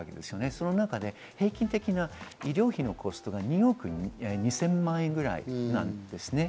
その中で平均的な医療費のコストが２億２０００万円ぐらいなんです。